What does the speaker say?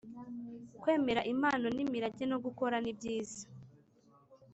Kwemera impano n imirage no gukora nibyiza